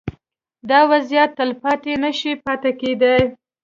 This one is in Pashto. دا وضعیت تلپاتې نه شي پاتې کېدای.